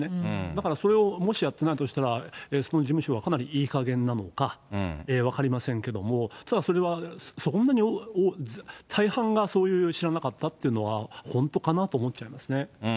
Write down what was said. だから、それをもしやってないとしたら、その事務所はかなりいいかげんなのか、分かりませんけども、ただ、それはそんなに、大半がそういう知らなかったというのは本当かな